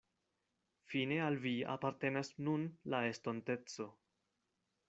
Fine al vi apartenas nun la estonteco.